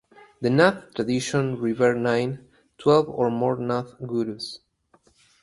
The Nath tradition revere nine, twelve or more Nath gurus.